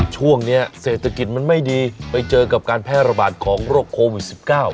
ช่วงนี้เศรษฐกิจมันไม่ดีไปเจอกับการแพร่ระบาดของโรคโควิด๑๙